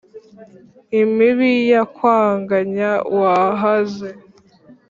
Imibi yakwaganya wahaze,